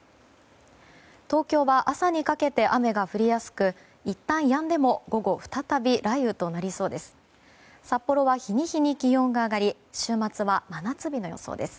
東京は朝にかけて雨が降りやすくいったんやんでも午後、再び雷雨となりそうです。